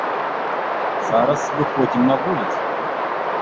Зараз выходзім на вуліцу.